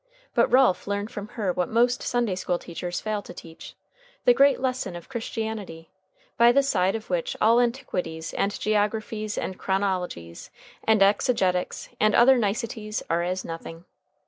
But Ralph learned from her what most Sunday school teachers fail to teach, the great lesson of Christianity, by the side of which all antiquities and geographies and chronologies and exegetics and other niceties are as nothing.